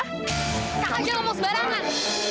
kakak jelumus barangan